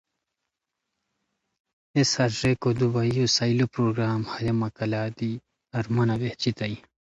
ہیس ہݰ ریکو دوبئیو سئیلو پروگرام ہیہ مکالہ دی ارمانہ بہچیتائے